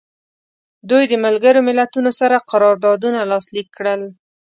دوی د ملګرو ملتونو سره قراردادونه لاسلیک کړل.